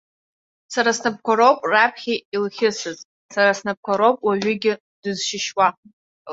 Сара снапқәа роуп раԥхьа илхьысыз, сара снапқәа роуп уажәыгьы дызшьышьуа.